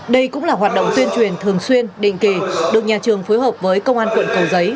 đây cũng là hoạt động tuyên truyền thường xuyên định kỳ được nhà trường phối hợp với công an quận cầu giấy